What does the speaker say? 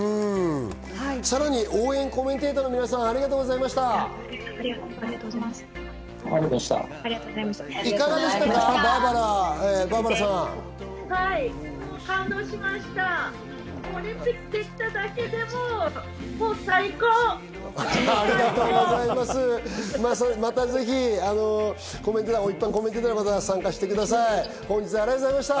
さらに応援コメンテーターの皆さん、ありがとうございました。